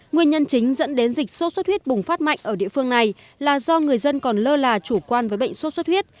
nguyên nhân chính dẫn đến dịch sốt xuất huyết bùng phát mạnh ở địa phương này là do người dân còn lơ là chủ quan với bệnh sốt xuất huyết